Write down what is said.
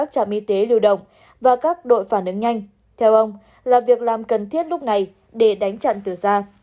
trạm y tế lưu động và các đội phản ứng nhanh theo ông là việc làm cần thiết lúc này để đánh chặn từ xa